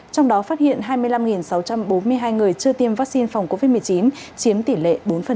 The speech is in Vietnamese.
trong đó phát hiện hai mươi năm sáu trăm bốn mươi hai người chưa tiêm vaccine phòng covid một mươi chín chiếm tỷ lệ bốn